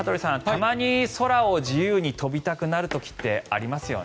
たまに空を自由に飛びたくなる時ってありますよね？